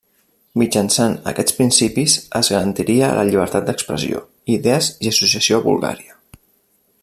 Mitjançant aquests principis es garantiria la llibertat d'expressió, idees i associació a Bulgària.